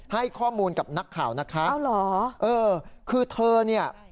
ให้ข้อมูลกับนักข่าวนะคะเออคือเธอนี่